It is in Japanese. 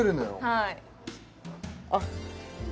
はい